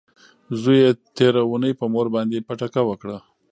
زوی یې تیره اونۍ په مور باندې پټکه وکړه.